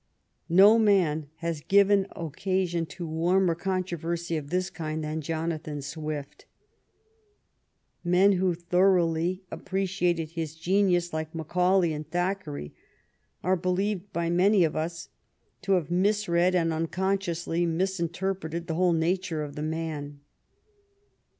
No man has given occasion to warmer controversy of this kind than Jonathan Swift. Men who thoroughly appreciated his genius, like Macaulay and Thackeray, are believed by many of us to have misread and unconsciouslv misinter preted the whole nature of the man.